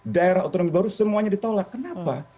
daerah otonomi baru semuanya ditolak kenapa